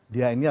dia ini adalah